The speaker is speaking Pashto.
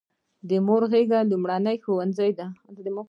د مور غیږه لومړنی ښوونځی دی.